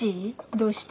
どうして？